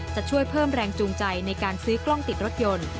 จะช่วยเพิ่มแรงจูงใจในการซื้อกล้องติดรถยนต์